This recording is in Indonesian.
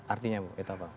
artinya itu apa